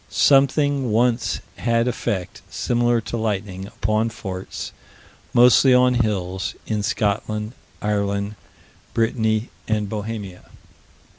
Something once had effect, similar to lightning, upon forts, mostly on hills, in Scotland, Ireland, Brittany, and Bohemia.